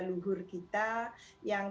luhur kita yang